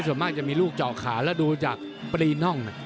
ส่วนมากจะมีลูกเจาะขาแล้วดูจากปรีน่อง